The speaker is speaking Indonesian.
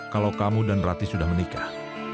kalau kamu dan rati sudah menikah